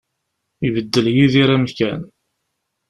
Ibeddel Yidir amkan.